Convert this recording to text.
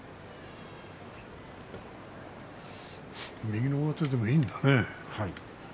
右の上手でもいいんだね。